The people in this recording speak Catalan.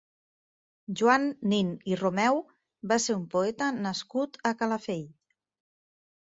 Joan Nin i Romeu va ser un poeta nascut a Calafell.